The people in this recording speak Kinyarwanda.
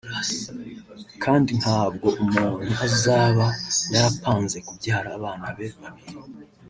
Kandi ntabwo umuntu azaba yarapanze kubyara abana be babiri